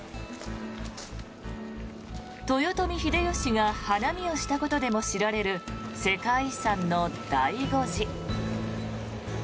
豊臣秀吉が花見をしたことでも知られる世界遺産の醍醐寺。